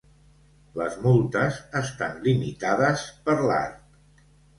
Les multes estan limitades per l'art.